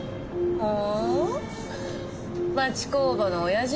ああ。